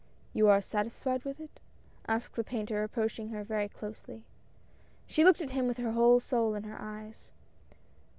"You are satisfied with it?" asked the painter approaching her very closely. She looked at him with her whole soul in her eyes.